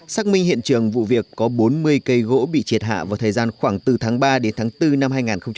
xác minh hiện trường vụ việc có bốn mươi cây gỗ bị triệt hạ vào thời gian khoảng từ tháng ba đến tháng bốn năm hai nghìn hai mươi